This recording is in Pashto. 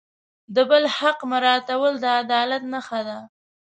د بل حق مراعتول د عدالت نښه ده.